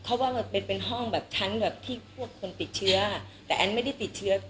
เพราะว่ามันเป็นเป็นห้องแบบชั้นแบบที่พวกคนติดเชื้อแต่แอนไม่ได้ติดเชื้อ